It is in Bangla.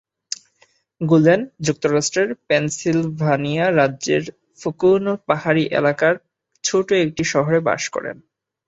গুলেন যুক্তরাষ্ট্রের পেনসিলভানিয়া রাজ্যের ফোকোনো পাহাড়ি এলাকার ছোট একটি শহরে বাস করেন।